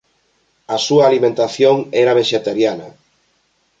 A súa alimentación era vexetariana.